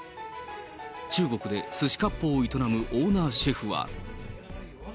中国ですしかっぽうを営むオーナーシェフは。